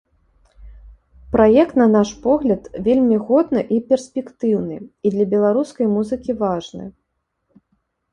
Праект, на наш погляд, вельмі годны і перспектыўны, і для беларускай музыкі важны.